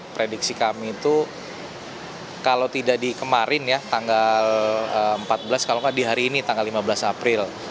prediksi kami itu kalau tidak di kemarin ya tanggal empat belas kalau nggak di hari ini tanggal lima belas april